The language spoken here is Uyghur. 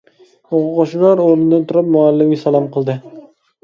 ئوقۇغۇچىلار ئورنىدىن تۇرۇپ مۇئەللىمگە سالام قىلدى.